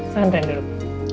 silahkan ren duduk